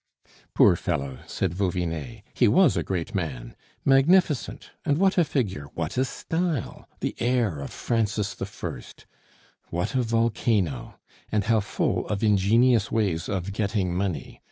"Poor fellow," said Vauvinet, "he was a great man! Magnificent! And what a figure, what a style, the air of Francis I.! What a volcano! and how full of ingenious ways of getting money!